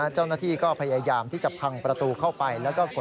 เจ้าหน้าที่ก็พยายามที่จะพังประตูเข้าไป